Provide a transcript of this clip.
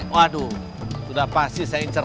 waduh sudah pasti saya ingin berhenti